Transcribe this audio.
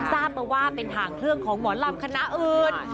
ทราบเป็นว่าเป็นทางเครื่องของหลับคณะอื่น